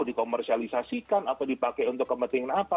dikomersialisasikan atau dipakai untuk kepentingan apa